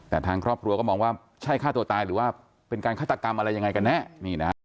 แต่ทางครอบครัวก็มองว่าใช่ฆ่าตัวตายหรือว่าเป็นการฆาตกรรมอะไรยังไงกันแน่